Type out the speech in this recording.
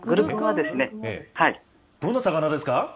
どんな魚ですか？